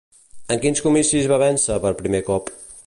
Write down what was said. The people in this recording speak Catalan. En quins comicis va vèncer per primer cop?